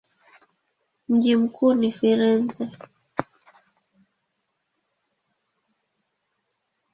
Mji mkuu ni Firenze.